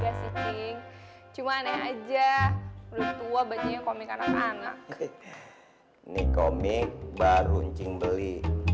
juga sih cing cuma aneh aja lu tua banyak komik anak anak komik baru beli